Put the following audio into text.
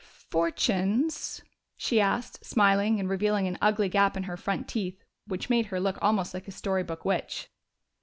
"Fortunes?" she asked, smiling, and revealing an ugly gap in her front teeth, which made her look almost like a story book witch.